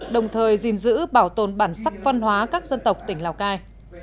đồng thời gìn giữ bảo tồn bản sắc văn hóa các dân tộc tỉnh lào cai